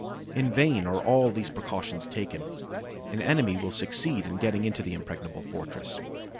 In vain are all these precautions taken. An enemy will succeed in getting into the impregnable fortress.